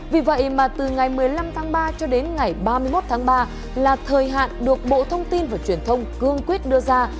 vì vậy mà từ ngày một mươi năm tháng ba cho đến ngày ba mươi một tháng ba là thời hạn được bộ thông tin và truyền thông cương quyết đưa ra